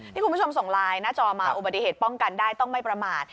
ที่คุณผู้ชมส่งไลน์หน้าจอมาอุบัติเหตุป้องกันได้ต้องไม่ประมาท